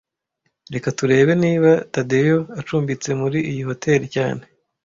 Reka turebe niba Tadeyo acumbitse muri iyi hoteri cyane